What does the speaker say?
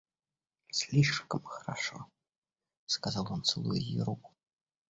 Слишком хорошо, — сказал он, целуя ее руку.